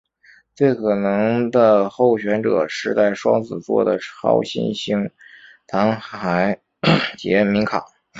最可能的候选者是在双子座的超新星残骸杰敏卡。